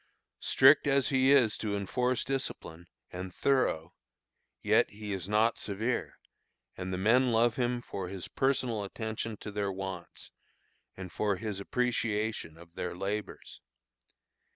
Strict as he is to enforce discipline, and thorough, yet he is not severe; and the men love him for his personal attention to their wants, and for his appreciation of their labors.